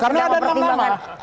karena ada enam nama